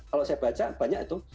kalau saya baca banyak itu